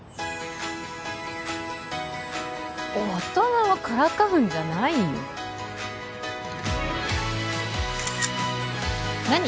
大人をからかうんじゃないよ何？